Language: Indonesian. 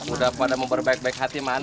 udah pada mau berbaik baik hati mah